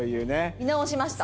見直しました。